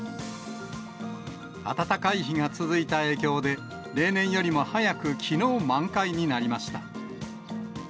暖かい日が続いた影響で、例年よりも早くきのう満開になりました。